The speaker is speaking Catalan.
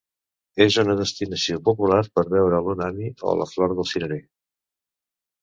És una destinació popular per veure el hanami, o la flor del cirerer.